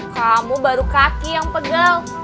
kamu baru kaki yang pegang